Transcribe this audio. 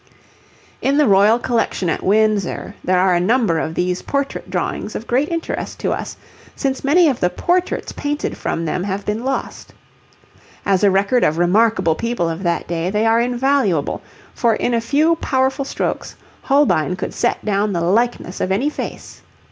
In the Royal Collection at Windsor there are a number of these portrait drawings of great interest to us, since many of the portraits painted from them have been lost. As a record of remarkable people of that day they are invaluable, for in a few powerful strokes Holbein could set down the likeness of any face.